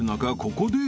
ここで］